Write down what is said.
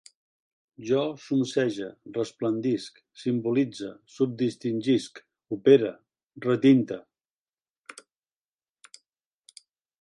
Jo zumzege, resplendisc, simbolitze, subdistingisc, opere, retinte